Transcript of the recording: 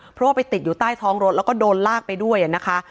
เพราะว่าไปติดอยู่ใต้ท้องรถแล้วก็โดนลากไปด้วยนะคะ